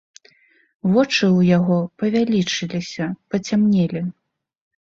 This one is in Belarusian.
Вочы ў яго павялічыліся, пацямнелі.